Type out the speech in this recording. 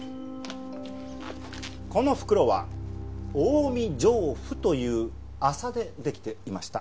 この袋は近江上布という麻でできていました。